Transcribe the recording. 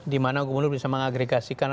di mana gubernur bisa mengagregasikan